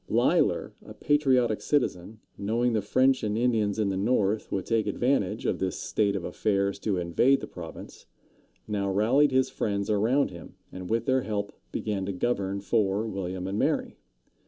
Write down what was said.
Leīs´ler, a patriotic citizen, knowing the French and Indians in the north would take advantage of this state of affairs to invade the province, now rallied his friends around him, and with their help began to govern for William and Mary.